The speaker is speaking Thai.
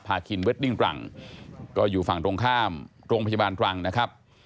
คินเวดดิ้งตรังก็อยู่ฝั่งตรงข้ามโรงพยาบาลตรังนะครับ